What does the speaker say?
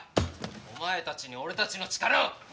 お前たちに俺たちの力を見せてやる！